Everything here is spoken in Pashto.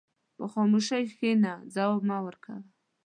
په خاموشۍ کښېنه، ځواب مه ورکوه.